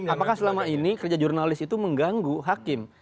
apakah selama ini kerja jurnalis itu mengganggu hakim